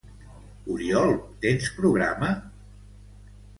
Oriol, tens programa?